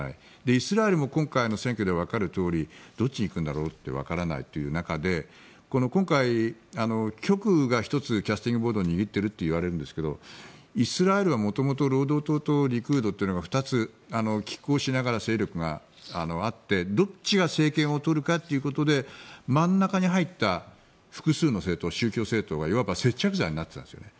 イスラエルも今回の選挙でわかるとおりどっちに行くんだろうってわからないという中で今回、極右が１つキャスティングボートを握っていると出ているんですがイスラエルは元々労働党とリクードがきっ抗しながら勢力があって、どっちが政権を取るかということで真ん中に入った複数の政党宗教政党がいわば接着剤になっているんですよね。